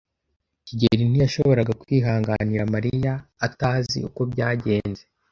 kigeli ntiyashoboraga kwihanganira Mariya atazi uko byagenze.